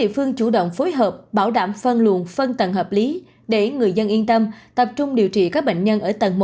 phương chủ động phối hợp bảo đảm phân luồn phân tầng hợp lý để người dân yên tâm tập trung điều trị các bệnh nhân ở tầng một